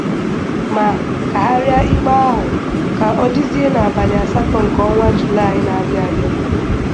mà kàgharịa ikpe ahụ ka ọ dịzie n'abalị asatọ nke ọnwa Julaị na-abịa abịa